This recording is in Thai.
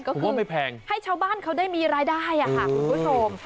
ก็คือให้ชาวบ้านเขาได้มีรายได้ค่ะคุณผู้ชม